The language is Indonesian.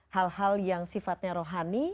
hal hal yang sifatnya rohani